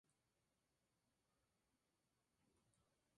Estas grandes victorias le valieron el título de "El Victorioso".